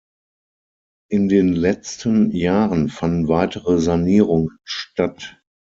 In den letzten Jahren fanden weitere Sanierungen statt.